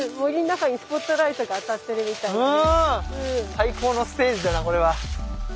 最高のステージだなこれは。